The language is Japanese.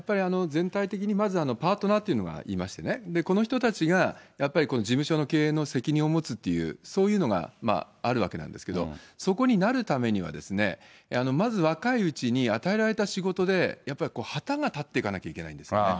全体的にまずパートナーっていうのがいましてね、この人たちがやっぱり事務所の経営の責任を持つという、そういうのがあるわけなんですけど、そこになるためには、まず若いうちに与えられた仕事で、やっぱり旗が立っていかなきゃいけないんですね。